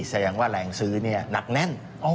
สะยังว่าแหล่งซื้อนี่หนักแน่น